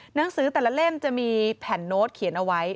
หนังสือแต่ละเล่มจะมีแผ่นโน้ตเขียนเอาไว้